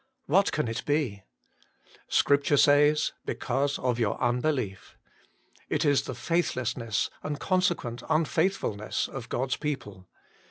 What can it be ? Scripture says, because of your unbelief. It is the faithlessness and consequent unfaithfulness of God s people.